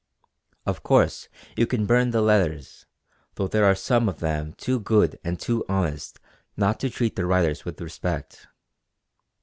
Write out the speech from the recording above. Of course you can burn the letters, though there are some of them too good and too honest not to treat their writers with respect.